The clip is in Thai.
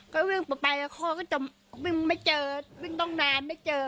ก็วิ่งไปข้อก็จะวิ่งไม่เจอวิ่งต้องนานไม่เจอ